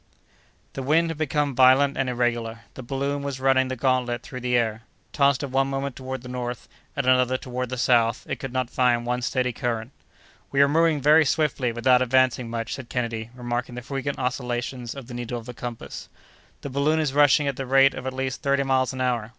The wind had become violent and irregular; the balloon was running the gantlet through the air. Tossed at one moment toward the north, at another toward the south, it could not find one steady current. "We are moving very swiftly without advancing much," said Kennedy, remarking the frequent oscillations of the needle of the compass. "The balloon is rushing at the rate of at least thirty miles an hour.